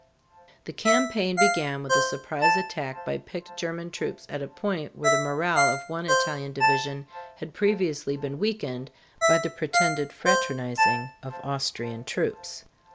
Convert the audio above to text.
The campaign began with a surprise attack by picked German troops at a point where the morale of one Italian division had previously been weakened by the pretended fraternizing of Austrian troops.